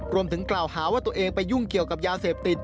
รวมถึงกล่าวหาว่าตัวเองไปยุ่งเกี่ยวกับยาเสพติด